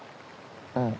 うん。